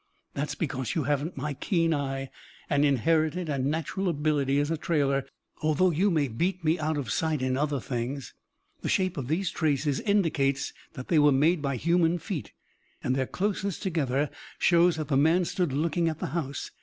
"That's because you haven't my keen eye, an inherited and natural ability as a trailer, although you may beat me out of sight in other things. The shape of these traces indicates that they were made by human feet, and their closeness together shows that the man stood looking at the house.